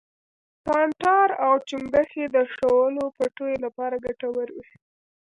کانټار او چنگښې د شولو پټیو لپاره گټور وي.